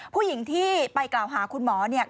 ผู้หญิงที่ไปกล่าวหาคุณหมอเนี่ย